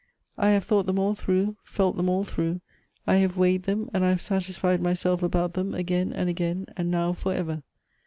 I have thought them all through, felt them all through. I have weighed them, and I have satisfied myself about them again and again, and now for ever.